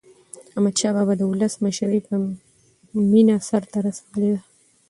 احمدشاه بابا د ولس مشري په مینه سرته رسولې ده.